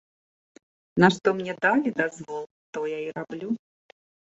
На што мне далі дазвол, то я і раблю.